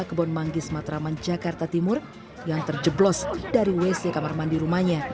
kebon manggis matraman jakarta timur yang terjeblos dari wc kamar mandi rumahnya